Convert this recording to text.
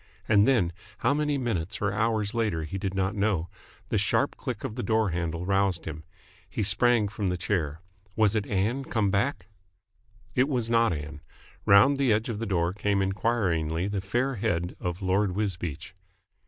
And then, how many minutes or hours later he did not know, the sharp click of the door handle roused him. He sprang from the chair. Was it Ann, come back? It was not Ann. Round the edge of the door came inquiringly the fair head of Lord Wisbeach.